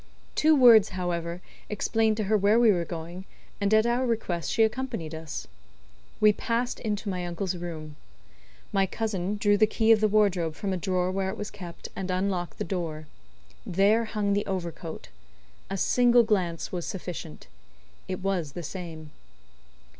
Two words, however, explained to her where we were going, and at our request she accompanied us. We passed into my uncle's room. My cousin drew the key of the wardrobe from a drawer where it was kept, and unlocked the door. There hung the overcoat. A single glance was sufficient. It was the same.